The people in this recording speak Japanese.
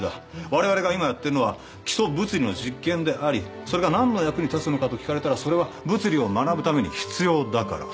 われわれが今やってるのは基礎物理の実験でありそれが何の役に立つのかと聞かれたらそれは物理を学ぶために必要だから。